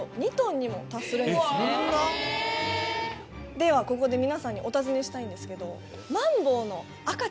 ではここで皆さんにお尋ねしたいんですけど。